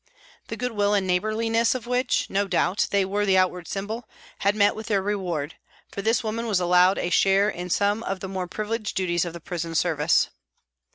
The good will and neighbourliness of which, no doubt, they were the outward symbol, had met with their reward, for this woman was allowed a share in some of the more privileged duties of the prison service.